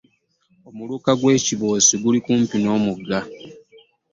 Omuluka gwe kibose guli kumpi nomugga.